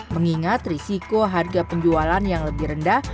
mengingat risiko harga penjualan yang lebih rendah